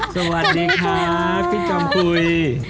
สวัสดีค่ะพี่จอมคุย